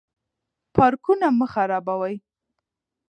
پارکونه مه خرابوئ.